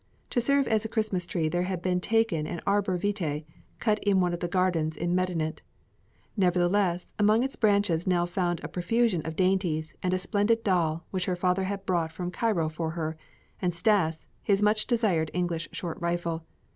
To serve as a Christmas tree there had been taken an arbor vitae, cut in one of the gardens in Medinet; nevertheless, among its branchlets Nell found a profusion of dainties and a splendid doll, which her father had brought from Cairo for her, and Stas, his much desired English short rifle.